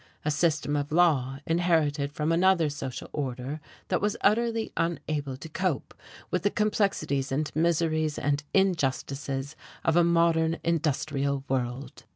A system of law, inherited from another social order, that was utterly unable to cope with the complexities and miseries and injustices of a modern industrial world.